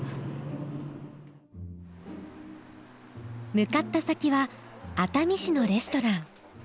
向かった先は熱海市のレストラン。